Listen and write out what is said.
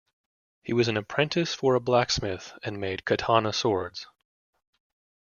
He was an apprentice for a blacksmith and made katana swords.